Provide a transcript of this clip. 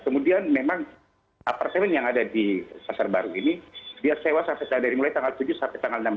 kemudian memang apartemen yang ada di pasar baru ini dia sewa dari mulai tanggal tujuh sampai tanggal enam belas